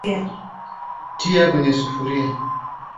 tia kwenye sufuria